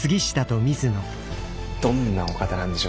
どんなお方なんでしょうねぇ。